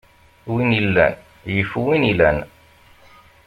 Win illan yif win ilan.